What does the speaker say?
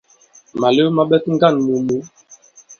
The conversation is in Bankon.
Màlew ma ɓɛt ŋgân àmù mǔ.